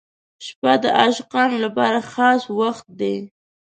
• شپه د عاشقانو لپاره خاص وخت دی.